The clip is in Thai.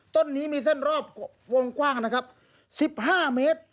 ต้นนี้มีเส้นรอบวงกว้าง๑๕เมตร